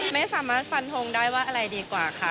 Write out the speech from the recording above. ไม่สามารถฟันทงได้ว่าอะไรดีกว่าค่ะ